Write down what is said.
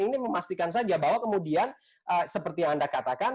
ini memastikan saja bahwa kemudian seperti yang anda katakan